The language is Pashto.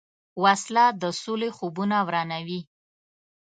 وسله د سولې خوبونه ورانوي